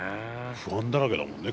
不安だらけだもんね